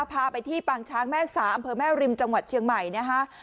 พาไปที่ปางช้างแม่สาอำเภอแม่ริมจังหวัดเชียงใหม่นะคะ